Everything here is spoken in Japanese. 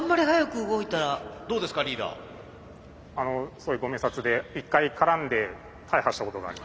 すごいご明察で一回絡んで大破したことがあります。